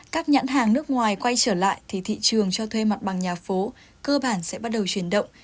các nhãn hàng nước ngoài quay trở lại thì thị trường cho thuê mặt bằng nhà phố cơ bản sẽ bắt đầu chuyển động